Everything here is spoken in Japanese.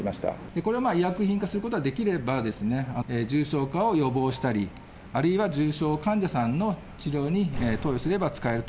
これは医薬品化することができれば、重症化を予防したり、あるいは重症患者さんの治療に、投与すれば使えると。